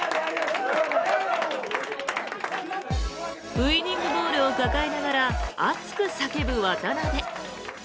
ウィニングボールを抱えながら熱く叫ぶ渡邊。